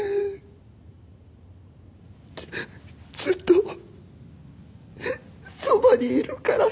ずっとそばにいるからさ。